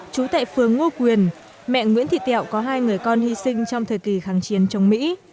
chú tệ phường ngo quyền mẹ nguyễn thị tẹo có hai người con hy sinh trong thời kỳ kháng chiến trong mỹ